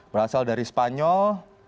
berasal dari spanyol